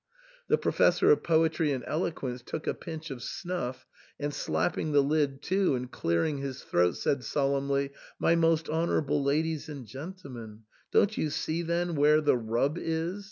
The Professor of Poetry and Eloquence took a pinch of snuflP, and, slap ping the lid to and clearing his throat, said solemnly, "My most honourable ladies and gentlemen, don't you see then where the rub is